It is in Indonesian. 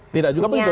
tidak juga begitu